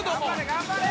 頑張れ。